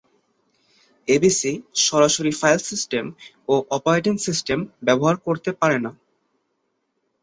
ABC সরাসরি file system ও operating system ব্যবহার করতে পারে না।